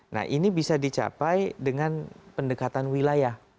nah ini bisa dicapai dengan pendekatan wilayah